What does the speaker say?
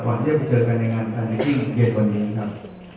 ก่อนที่จะเจอกันในการแทนที่อุปเกตวันนี้ครับ